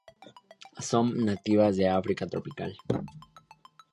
Son nativas de África tropical.